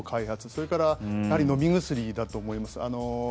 それからやはり飲み薬だと思います。